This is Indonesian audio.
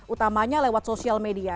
utamanya lewat sosial media